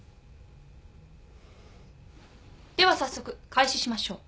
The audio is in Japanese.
では早速開始しましょう。